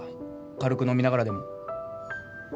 軽く飲みながらでも。